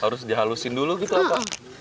harus dihalusin dulu gitu apa